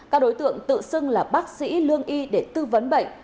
các đối tượng tự xưng là bác sĩ lương y để tư vấn bệnh